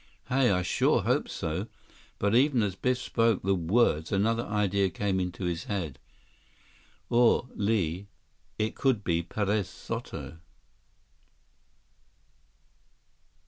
"Hey, I sure hope so." But even as Biff spoke the words, another idea came into his head. "Or, Li, it could be Perez Soto."